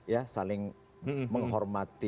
ya saling menghormati